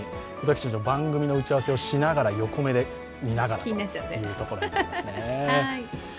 私たちは番組の打ち合わせをしながら、横目で見ながらというところですね。